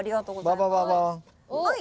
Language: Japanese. ババババン。